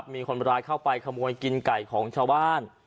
มีคนร้ายเข้าไปขโมยกินไก่ของชาวบ้าน